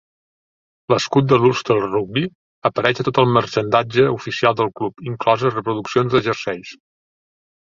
L'escut de l'Ulster Rugby apareix a tot el marxandatge oficial del club, incloses reproduccions de jerseis .